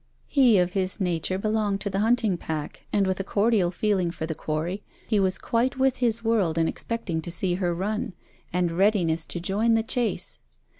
He of his nature belonged to the hunting pack, and with a cordial feeling for the quarry, he was quite with his world in expecting to see her run, and readiness to join the chase.